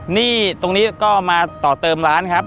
หนี้ตรงนี้ก็มาต่อเติมร้านครับ